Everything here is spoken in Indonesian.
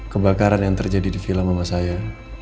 kebakaran yang terjadi di film mama saya